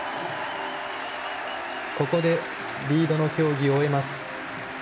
ここでリードの競技を終えます。